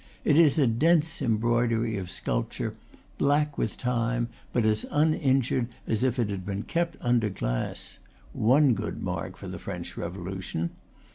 It is a dense embroidery of sculpture, black with time, but as uninjured as if it had been kept under glass. One good mark for the French Revolution!